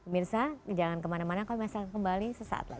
mirza jangan kemana mana kami akan kembali sesaat lagi